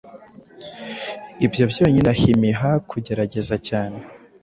Ibyo byonyine birahimiha kugerageza cyane